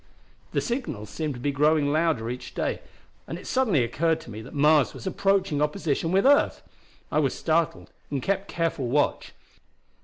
The signals seemed to be growing louder each day, and it suddenly occurred to me that Mars was approaching opposition with earth! I was startled, and kept careful watch.